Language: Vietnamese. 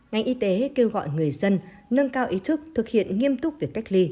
bác sĩ nga kêu gọi người dân nâng cao ý thức thực hiện nghiêm túc việc cách ly